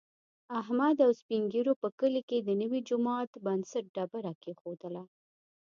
احمد او سپین ږېرو په کلي کې د نوي جوما د بنسټ ډبره کېښودله.